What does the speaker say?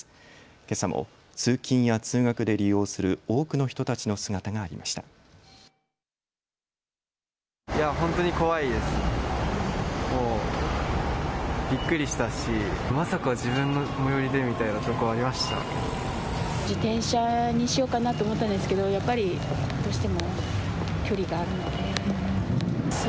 けさも通勤や通学で利用する多くの人たちの姿がありました。